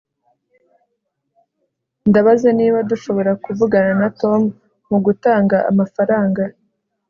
ndabaza niba dushobora kuvugana na tom mugutanga amafaranga